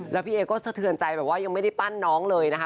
แล้วพี่เอก็สะเทือนใจแบบว่ายังไม่ได้ปั้นน้องเลยนะคะ